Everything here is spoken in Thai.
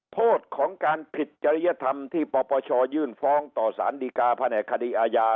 โทษของการผิดจริยธรรมที่ปปชยื่นฟ้องต่อสารดีกาแผนกคดีอาญา